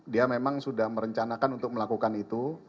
dia memang sudah merencanakan untuk melakukan itu